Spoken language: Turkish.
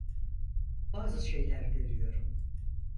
Bazı şeyler görüyorum.